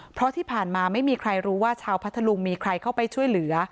เพราะที่ผ่านมาไม่มีใครรู้ว่าชาวพัทธลุงมีใครเข้าไปช่วยเหลือ